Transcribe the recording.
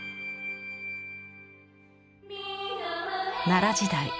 奈良時代